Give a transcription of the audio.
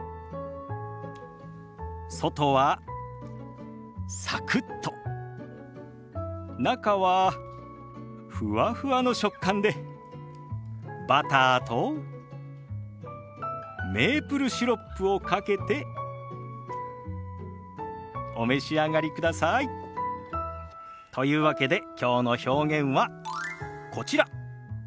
外はサクッと中はふわふわの食感でバターとメープルシロップをかけてお召し上がりください。というわけできょうの表現はこちら。